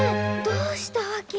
どうしたわけ？